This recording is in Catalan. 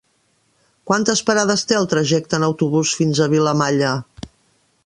Quantes parades té el trajecte en autobús fins a Vilamalla?